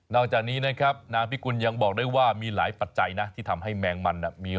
จากนี้นะครับนางพิกุลยังบอกได้ว่ามีหลายปัจจัยนะที่ทำให้แมงมัน